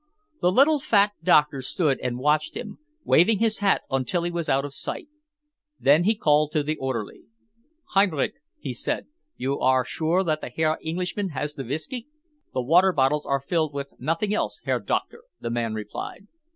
The little fat doctor stood and watched him, waving his hat until he was out of sight. Then he called to the orderly. "Heinrich," he said, "you are sure that the Herr Englishman has the whisky?" "The water bottles are filled with nothing else, Herr Doctor," the man replied.